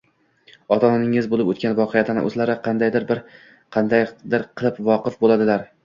ota-onangiz bo‘lib o‘tgan voqeadan o‘zlari qandaydir qilib voqif bo‘ladilar.